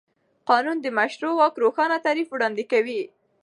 قانون د مشروع واک روښانه تعریف وړاندې کوي.